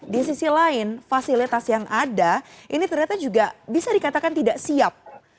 di sisi lain fasilitas yang ada ini ternyata juga bisa dikatakan tidak siap